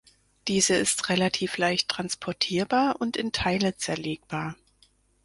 Diese ist relativ leicht transportierbar und in Teile zerlegbar.